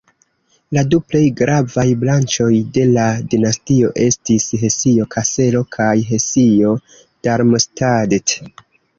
La du plej gravaj branĉoj de la dinastio estis Hesio-Kaselo kaj Hesio-Darmstadt.